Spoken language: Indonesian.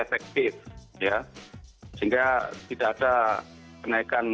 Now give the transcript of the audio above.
efektif ya sehingga tidak ada kenaikan